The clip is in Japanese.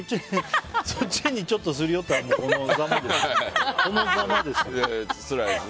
そっちにすり寄ったらこのざまですよ。